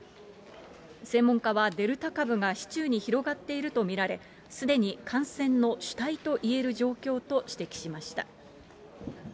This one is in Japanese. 専門家は、デルタ株が市中に広がっていると見られ、すでに感染の主体といえる状況と指摘しました。